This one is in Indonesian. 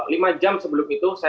lima jam sebelum itu